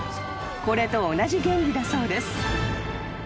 ［これと同じ原理だそうです］